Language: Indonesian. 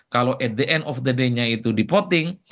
kalau di akhir hari itu dipoting